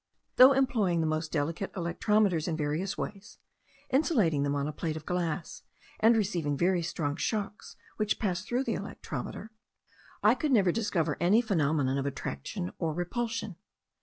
Though employing the most delicate electrometers in various ways, insulating them on a plate of glass, and receiving very strong shocks which passed through the electrometer, I could never discover any phenomenon of attraction or repulsion.